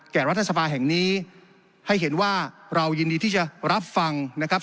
รัฐสภาแห่งนี้ให้เห็นว่าเรายินดีที่จะรับฟังนะครับ